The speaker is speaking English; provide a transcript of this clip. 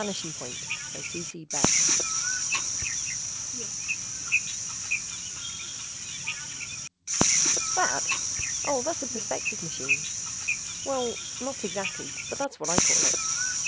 _ Illustrated by Martinez That? Oh, that's a perspective machine. Well, not exactly, but that's what I call it.